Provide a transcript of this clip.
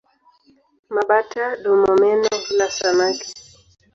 Mabata-domomeno hula samaki.